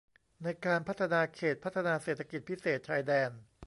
ในการพัฒนาเขตพัฒนาเศรษฐกิจพิเศษชายแดน